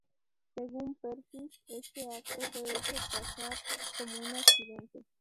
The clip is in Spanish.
Según Perkins este acto fue hecho pasar como un accidente.